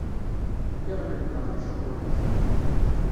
Lliɣ lemmdeɣ Tajaponit.